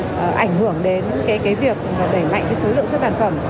nó sẽ làm ảnh hưởng đến cái việc đẩy mạnh cái số lượng xuất bản phẩm